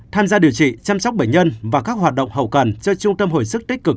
tham gia điều trị chăm sóc bệnh nhân và các hoạt động hậu cần cho trung tâm hồi sức tích cực